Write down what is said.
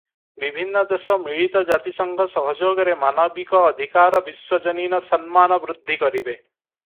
ବିଭିନ୍ନ ଦେଶ ମିଳିତ ଜାତିସଂଘ ସହଯୋଗରେ ମାନବିକ ଅଧିକାର ବିଶ୍ୱଜନୀନ ସମ୍ମାନ ବୃଦ୍ଧିକରିବେ ।